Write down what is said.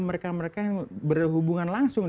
mereka mereka yang berhubungan langsung